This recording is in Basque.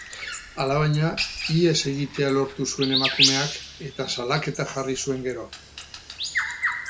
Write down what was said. Alabaina, ihes egitea lortu zuen emakumeak, eta salaketa jarri zuen gero.